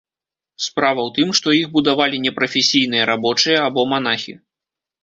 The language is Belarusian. Справа ў тым, што іх будавалі непрафесійныя рабочыя або манахі.